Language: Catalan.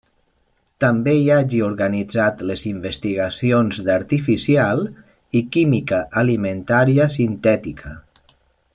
També hi hagi organitzat les investigacions d'artificial i química alimentària sintètica.